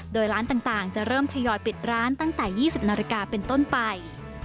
โดยร้านต่างจะเริ่มทยอยปิดร้านตั้งแต่๒๐นาฬิกาเป็นต้นไป